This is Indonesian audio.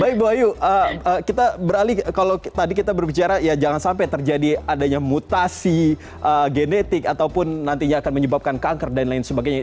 baik bu ayu kita beralih kalau tadi kita berbicara ya jangan sampai terjadi adanya mutasi genetik ataupun nantinya akan menyebabkan kanker dan lain sebagainya